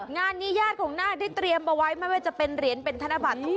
งานนี้ยาดของหน้าที่เตรียมว่ามั้ยว่าจะเป็นเหรียญเป็นธนบัตรอีกที่๒๕๐๐๐